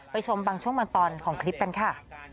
ชมบางช่วงบางตอนของคลิปกันค่ะ